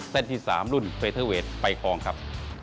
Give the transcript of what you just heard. ที่๓รุ่นเฟเทอร์เวทไปคลองครับ